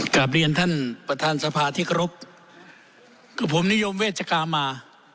กลับเรียนท่านประธานสภาที่เคารพกับผมนิยมเวชกามา